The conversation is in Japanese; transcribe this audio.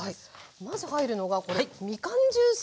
まず入るのがこれみかんジュース。